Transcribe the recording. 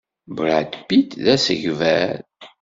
Brad Pitt d asegbar.